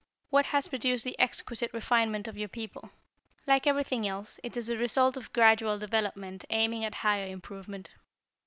"What has produced the exquisite refinement of your people?" "Like everything else, it is the result of gradual development aiming at higher improvement.